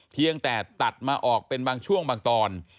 เพียงแต่ตัดมาออกเป็นบางช่วงบางตอน